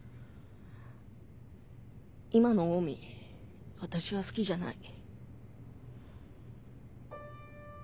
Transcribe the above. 今のオウミ私は好きじゃない。